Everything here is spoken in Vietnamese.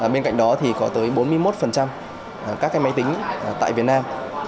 bên cạnh đó thì có tới bốn mươi một các máy tính tại việt nam